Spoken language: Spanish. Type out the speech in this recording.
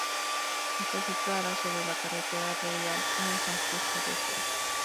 Está situada sobre la "Carretera Reial" en San Justo Desvern.